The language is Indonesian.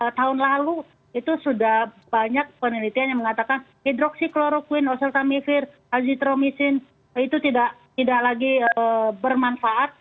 dan tahun lalu itu sudah banyak penelitian yang mengatakan hidroksikloropin oseltamivir oezitromisin itu tidak lagi bermanfaat